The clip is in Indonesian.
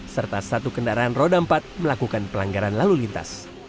serta satu kendaraan roda empat melakukan pelanggaran lalu lintas